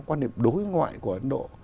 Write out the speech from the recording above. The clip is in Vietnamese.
quan niệm đối ngoại của ấn độ